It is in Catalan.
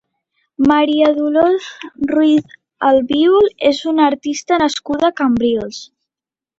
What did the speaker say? Maria Dolors Ruiz Albiol és una artista nascuda a Cambrils.